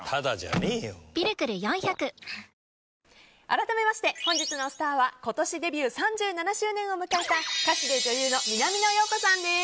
改めまして本日のスターは今年デビュー３７周年を迎えた歌手で女優の南野陽子さんです。